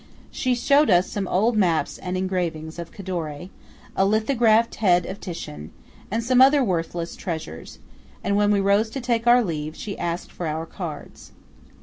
She showed us some old maps and engravings of Cadore, a lithographed head of Titian, and some other worthless treasures; and when we rose to take leave, asked for our cards.